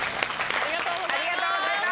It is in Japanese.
ありがとうございます。